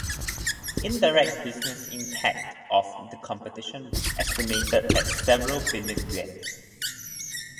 Indirect business impact of the competition was estimated at several billion yuan.